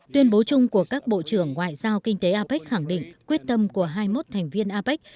tuyên bố chung của các bộ trưởng ngoại giao kinh tế apec khẳng định quyết tâm của hai mươi một thành viên apec